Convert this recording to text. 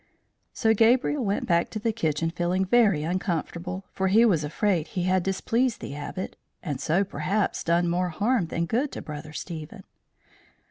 So Gabriel went back to the kitchen feeling very uncomfortable, for he was afraid he had displeased the Abbot, and so, perhaps, done more harm than good to Brother Stephen.